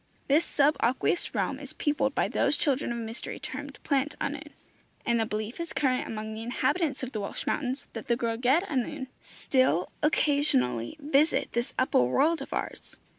This sub aqueous realm is peopled by those children of mystery termed Plant Annwn, and the belief is current among the inhabitants of the Welsh mountains that the Gwragedd Annwn still occasionally visit this upper world of ours.